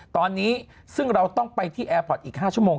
ตอนนี้ซึ่งเราต้องไปที่แอร์พอร์ตอีก๕ชั่วโมง